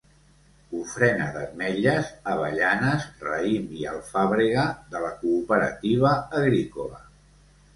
Ofrena d'ametlles, avellanes, raïm i alfàbrega de la Cooperativa Agrícola.